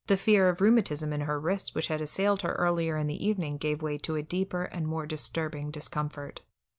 The fear of rheumatism in her wrists which had assailed her earlier in the evening gave way to a deeper and more disturbing discomfort.